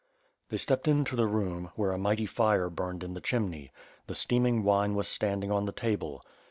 They stepped into the room, where a mighty fire burned in the chimney; the steaming wine was standing on the table.